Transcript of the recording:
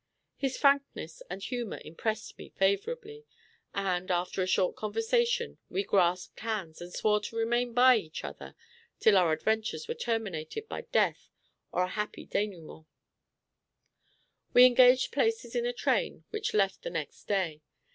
His frankness and humor impressed me favorably; and, after a short conversation, we grasped hands, and swore to remain by each other till our adventures were terminated by death or a happy dénouement. We engaged places in a train which left the next day.